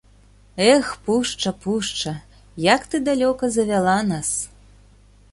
Эх, пушча, пушча, як ты далёка завяла нас.